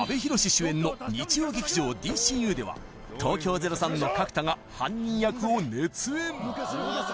主演の日曜劇場「ＤＣＵ」では東京０３の角田が犯人役を熱演